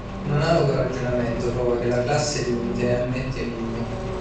Un analogo ragionamento prova che la classe limite ammette minimo.